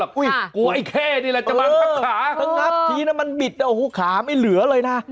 ครับทีนั้นมันบิดโอ้โฮขาไม่เหลือเลยนะ